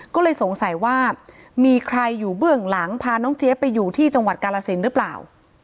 ก็เลยสงสัยว่ามีใครอยู่เบื้องหลังพาน้องเจี๊ยบไปอยู่ที่จังหวัดกาลสินหรือเปล่า